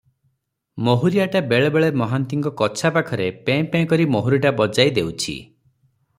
ମହୁରିଆଟା ବେଳେ ବେଳେ ମହାନ୍ତିଙ୍କ କଛା ପାଖରେ ପେଁ-ପେଁ କରି ମହୁରିଟା ବଜାଇ ଦେଉଛି ।